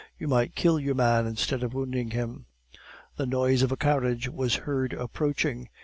You might kill your man instead of wounding him." The noise of a carriage was heard approaching.